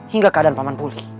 hingga keadaan paman pulih